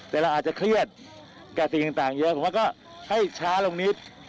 แต่เราอาจจะเครียดแก่สิ่งต่างเยอะผมว่าก็ให้ช้าลงนิด